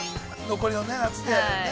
◆残りの夏でね。